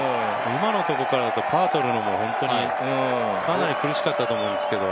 今のところからだとパー取るのも本当に、かなり苦しかったと思うんですけど。